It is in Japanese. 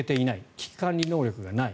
危機管理能力がない。